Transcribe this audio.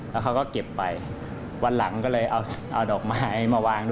แล้วเขาก็เก็บไปวันหลังก็เลยเอาดอกไม้มาวาง